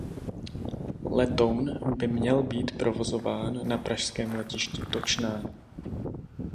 Letoun by měl být provozován na pražském letišti Točná.